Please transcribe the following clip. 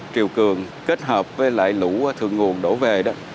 triều cường kết hợp với lại lũ thượng nguồn đổ về đó